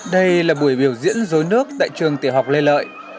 đây là buổi biểu diễn rối nước tại trường tiểu học lê lợi